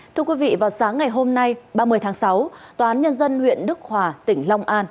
thưa quý vị vào sáng ngày hôm nay ba mươi tháng sáu tòa án nhân dân huyện đức hòa tỉnh long an